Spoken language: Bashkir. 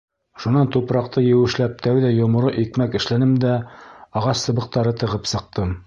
Шунан тупраҡты еүешләп тәүҙә йомро икмәк эшләнем дә ағас сыбыҡтары тығып сыҡтым.